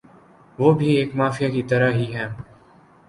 ۔ وہ بھی ایک مافیا کی طرح ھی ھیں